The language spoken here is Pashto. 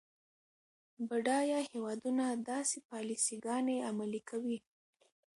بډایه هیوادونه داسې پالیسي ګانې عملي کوي.